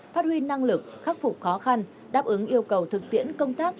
phát huy năng lực khắc phục khó khăn đáp ứng yêu cầu thực tiễn công tác